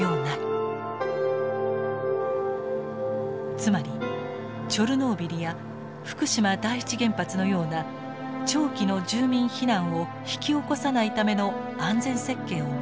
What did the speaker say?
つまりチョルノービリや福島第一原発のような長期の住民避難を引き起こさないための安全設計を求めたのです。